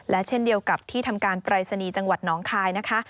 และเช่นเดียวกับที่ทำการปรายศนีย์จังหวัดน้องคายนะคะ